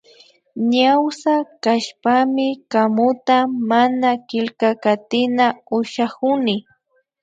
Ñawsa kashpami kamuta mana killkakatita ushakuni